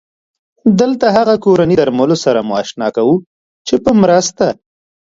دلته هغه کورني درملو سره مو اشنا کوو چې په مرسته